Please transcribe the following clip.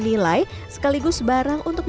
nilai sekaligus barang untuk